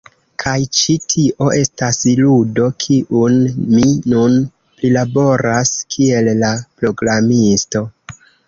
Kaj ĉi tio estas ludo, kiun mi nun prilaboras kiel la programisto.